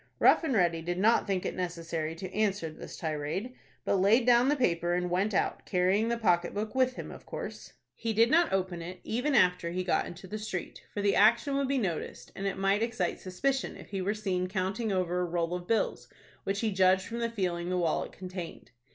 Rough and Ready did not think it necessary to answer this tirade, but laid down the paper and went out, carrying the pocket book with him, of course. He did not open it, even after he got into the street, for the action would be noticed, and it might excite suspicion if he were seen counting over a roll of bills, which he judged from the feeling the wallet contained.